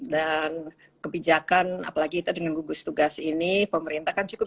dan kebijakan apalagi kita dengan gugus tugas ini pemerintah kan cukup